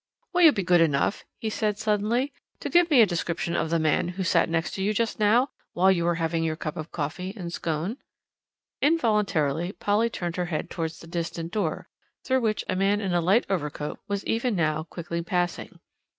"Will you be good enough," he said suddenly, "to give me a description of the man who sat next to you just now, while you were having your cup of coffee and scone." Involuntarily Polly turned her head towards the distant door, through which a man in a light overcoat was even now quickly passing.